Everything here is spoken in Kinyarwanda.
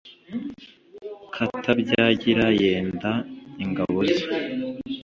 katabyagira yenda ingabo ze